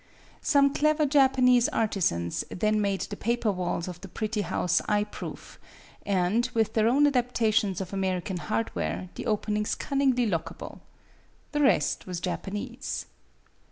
Some clever Japanese artisans then made the paper walls of the pretty house eye proof, and, with their own adaptations of American hardware, the openings cun ningly lockable. The rest was Japanese.